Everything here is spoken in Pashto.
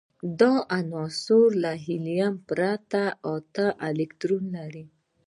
دا عنصرونه له هیلیوم پرته اته الکترونونه لري.